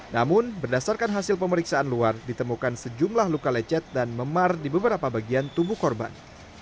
namun berdasarkan hasil pemeriksaan luar ditemukan sejumlah luka lecet dan memar di beberapa bagian tubuh korban